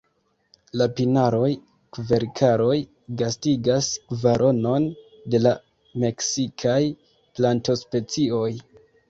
La pinaroj-kverkaroj gastigas kvaronon de la meksikaj plantospecioj.